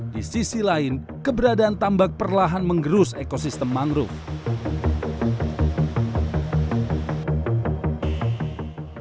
di sisi lain keberadaan tambak perlahan mengerus ekosistem mangrove